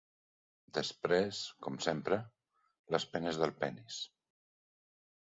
Després, com sempre, les penes del penis”.